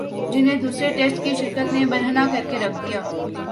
جنہیں دوسرے ٹیسٹ کی شکست نے برہنہ کر کے رکھ دیا